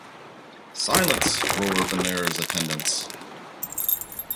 ‘Silence!’ roared the mayor’s attendants.